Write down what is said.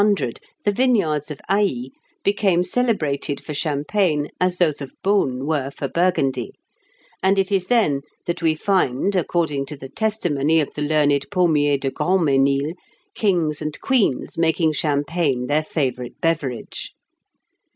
] Towards 1400, the vineyards of Aï became celebrated for Champagne as those of Beaune were for Burgundy; and it is then that we find, according to the testimony of the learned Paulmier de Grandmesnil, kings and queens making champagne their favourite beverage.